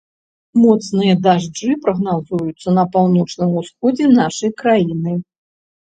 Моцныя дажджы прагназуюцца на паўночным усходзе нашай краіны.